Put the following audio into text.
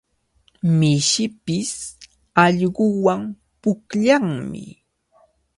Mishipish allquwan pukllanmi.